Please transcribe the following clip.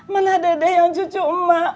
mana dedek yang cucu emak